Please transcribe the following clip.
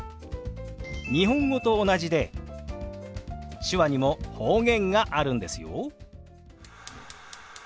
日本語と同じで手話にも方言があるんですよ。